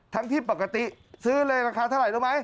ทั้งที่ปกติซื้อเลยราคาเท่าไหร่รู้ไหม